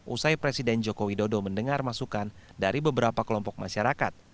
usai presiden joko widodo mendengar masukan dari beberapa kelompok masyarakat